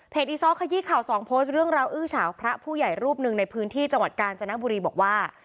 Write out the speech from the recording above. อีซ้อขยี้ข่าวสองโพสต์เรื่องราวอื้อเฉาพระผู้ใหญ่รูปหนึ่งในพื้นที่จังหวัดกาญจนบุรีบอกว่า